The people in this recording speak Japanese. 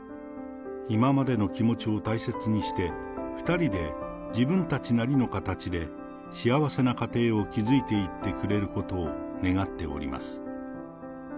今までの気持ちを大切にして、２人で自分たちなりの形で、幸せな家庭を築いていってくれることを願っております。